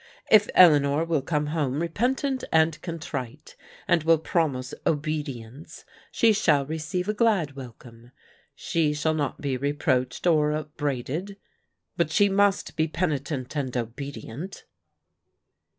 " If Eleanor will come home repentant and contrite, and will promise obedience, she shall receive a glad welcome. She shall not be reproached or upbraided, — ^but she must be penitent and obedient."